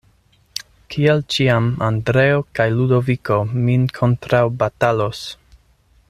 Kiel ĉiam, Andreo kaj Ludoviko min kontraŭbatalos.